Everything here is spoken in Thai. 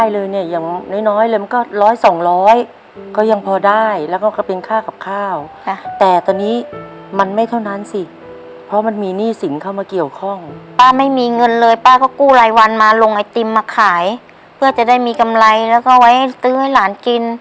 ลงไอติมมาขายเพื่อจะได้มีกำไรแล้วก็ไว้ซื้อให้หลานกิน